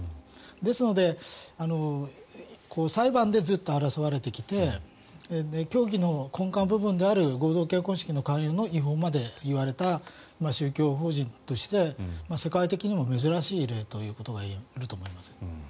ですので裁判でずっと争われてきて教義の根幹部分である合同結婚式の勧誘の違法まで言われた宗教法人として世界的にも珍しい例ということが言えると思います。